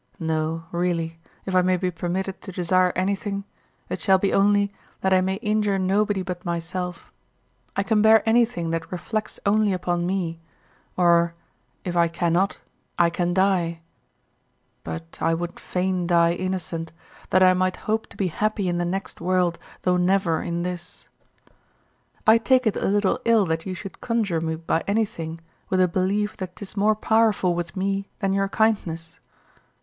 No, really, if I may be permitted to desire anything, it shall be only that I may injure nobody but myself, I can bear anything that reflects only upon me; or, if I cannot, I can die; but I would fain die innocent, that I might hope to be happy in the next world, though never in this. I take it a little ill that you should conjure me by anything, with a belief that 'tis more powerful with me than your kindness.